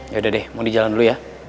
yaudah deh mau di jalan dulu ya